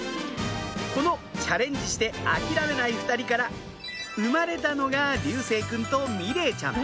このチャレンジして諦めない２人から生まれたのが竜成くんと美玲ちゃん